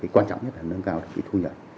quan trọng nhất là nâng cao thú nhận